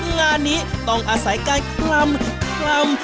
งานนี้ต้องอาศัยการคลำ